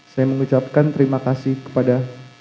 saya mengucapkan terima kasih kepada